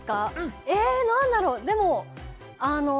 何だろう？